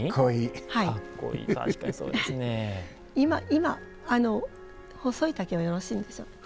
今細い竹はよろしいんでしょうか？